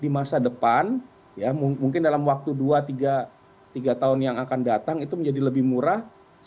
di masa depan ya mungkin dalam waktu dua tiga tahun yang akan datang itu menjadi lebih murah